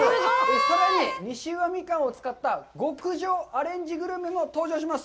さらに、西宇和みかんを使った極上アレンジグルメも登場します。